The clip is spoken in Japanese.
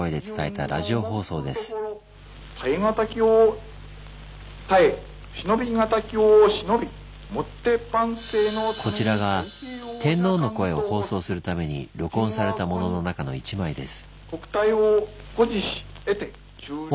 ご存じのとおりこれこちらが天皇の声を放送するために録音されたものの中の１枚です。